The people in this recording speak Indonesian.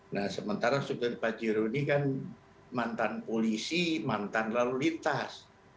nah sementara supir pajero ini kan mantan polisi mantan lalu lintas